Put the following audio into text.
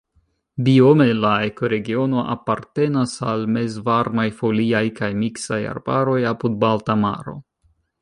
Biome la ekoregiono apartenas al mezvarmaj foliaj kaj miksaj arbaroj apud Balta Maro.